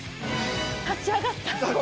立ち上がった。